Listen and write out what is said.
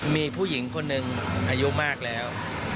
มีผู้หญิงคนหนึ่งอายุมากแล้ว